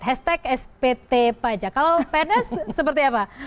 hashtag spt pajak kalau pns seperti apa